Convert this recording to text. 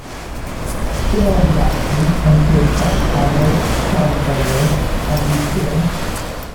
Similar devices include transponders, transverters, and repeaters.